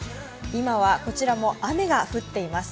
今はこちらも雨が降っています。